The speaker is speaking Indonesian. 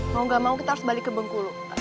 mau gak mau kita harus balik ke bengkulu